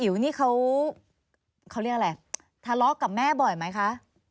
๋วนี่เขาเรียกอะไรทะเลาะกับแม่บ่อยไหมคะ